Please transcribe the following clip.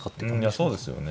そうですよね。